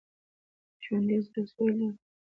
ژوندي زړسوي لري